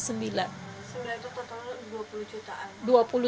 sudah itu total dua puluh jutaan